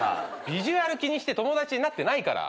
ビジュアル気にして友達になってないから。